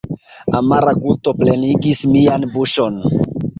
Amara gusto plenigis mian buŝon.